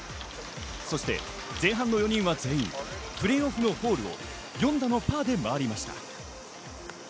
そして前半の４人には全員、プレーオフのホールをパーの４打で回りました。